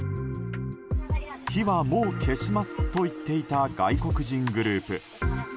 火はもう消しますと言っていた外国人グループ。